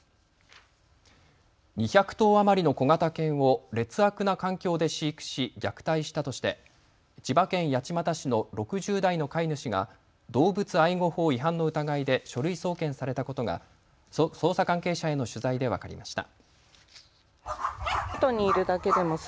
２００頭余りの小型犬を劣悪な環境で飼育し虐待したとして千葉県八街市の６０代の飼い主が動物愛護法違反の疑いで書類送検されたことが捜査関係者への取材で分かりました。